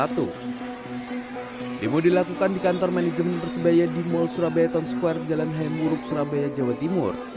timur dilakukan di kantor manajemen persebaya di mall surabaya town square jalan haim uruk surabaya jawa timur